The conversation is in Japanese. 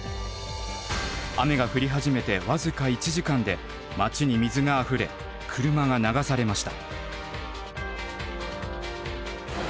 雨が降り始めて僅か１時間で町に水があふれ車が流されました。